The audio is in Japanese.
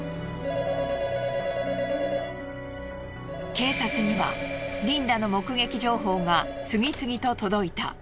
警察にはリンダの目撃情報が次々と届いた。